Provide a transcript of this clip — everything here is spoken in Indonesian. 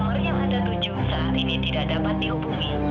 nomor yang ada tujuh saat ini tidak dapat dihubungi